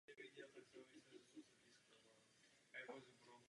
Je rozšířen v tropech Asie a Ameriky a na Madagaskaru.